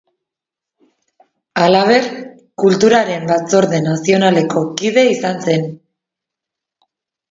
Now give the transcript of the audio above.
Halaber, Kulturaren Batzorde Nazionaleko kide izan zen.